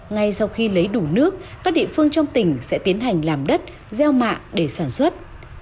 ngay sau khi lấy đủ nước các địa phương trong tỉnh sẽ tiến hành làm đất gieo mạ để sản xuất